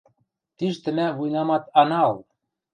– Тиштӹ мӓ вуйнамат ана ыл...